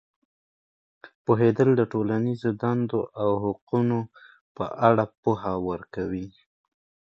پوهېدل د ټولنیزې دندو او حقونو په اړه پوهه ورکوي.